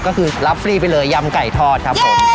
ก็คือรับฟรีไปเลยยำไก่ทอดครับผม